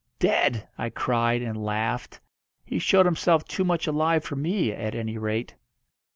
"Dead!" I cried, and laughed. "He showed himself too much alive for me, at any rate."